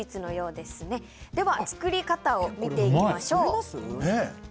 では作り方を見ていきましょう。